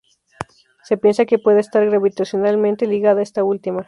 Se piensa que puede estar gravitacionalmente ligada a esta última.